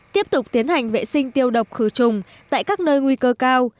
tiếp tục tiến hành vệ sinh tiêu độc khử trùng tại các nơi nguy cơ cao